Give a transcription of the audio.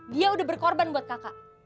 dia udah berkorban buat kakak